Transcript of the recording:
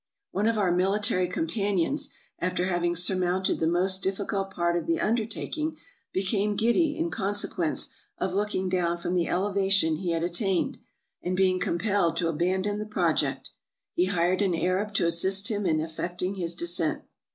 One of our military companions, after having surmounted the most difficult part of the undertaking, became giddy in conse quence of looking down from the elevation he had attained ; and being compelled to abandon the project, he hired an Arab to assist him in effecting his descent.